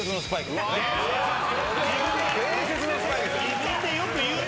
自分でよく言うな。